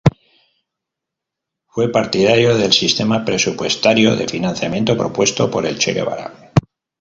Fue partidario del sistema presupuestario de financiamiento propuesto por el Che Guevara.